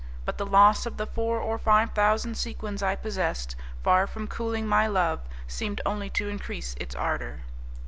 But the loss of the four or five thousand sequins I possessed, far from cooling my love, seemed only to increase its ardour.